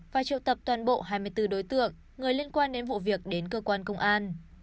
và triệu tập toàn bộ hai mươi bốn đối tượng người liên quan đến vụ việc đến cơ quan công an